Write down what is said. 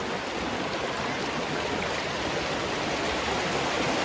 เมื่อเวลาอันดับสุดท้ายจะมีเวลาอันดับสุดท้ายมากกว่า